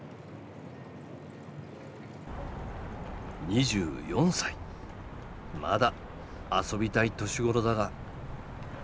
２４歳まだ遊びたい年頃だが。